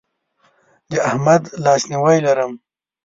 د احمد لاسنیوی لرم.